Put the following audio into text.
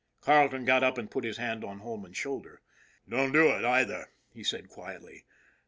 Carleton got up and put his hand on Holman's shoulder. " Don't do it, either," he said quietly.